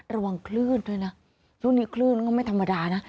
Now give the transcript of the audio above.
ระวังคลื่นด้วยนะช่วงนี้คลื่นก็ไม่ธรรมดานะ